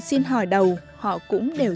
xin hỏi đầu họ cũng đều